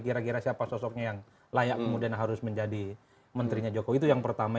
kira kira siapa sosoknya yang layak kemudian harus menjadi menterinya jokowi itu yang pertama